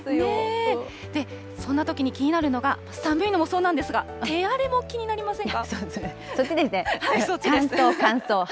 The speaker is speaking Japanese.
そんなときに気になるのが、寒いのもそうなんですが、手荒れも気になりませんか。